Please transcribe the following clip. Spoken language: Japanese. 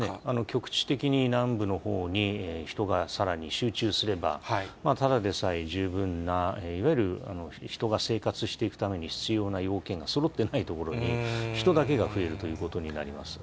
局地的に南部のほうに人がさらに集中すれば、ただでさえ十分ないわゆる人が生活していくために必要な要件がそろってないところに、人だけが増えるということになります。